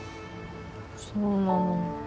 そうなの。